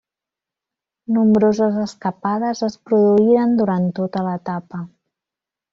Nombroses escapades es produïren durant tota l'etapa.